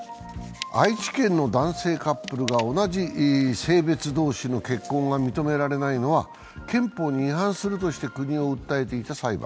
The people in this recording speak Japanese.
愛知県の男性カップルが、同じ性別同士の結婚が認められないのは憲法に違反するとして国を訴えてきた裁判。